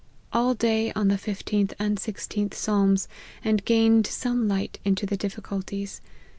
All day on the 15th and 16th Psalms, and gained some light into the difficulties.